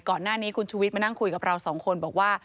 ก่อนหน้านี้คุณชุวิตมานั่งคุยกับเราสองคนบอกว่า